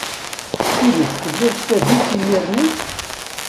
D tidet telliḍ s tadist imir-nni?